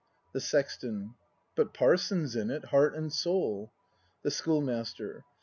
The Sexton. But Parson's in it, heart and soul. The Schoolmaster.